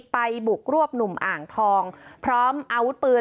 ไปบุกรวบหนุ่มอ่างทองพร้อมอาวุธปืน